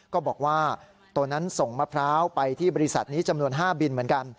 ก็บอกว่าตอนนั้นส่งมะพร้าวไปที่บริษัทนี้จำนวน๕บินเหมือนกัน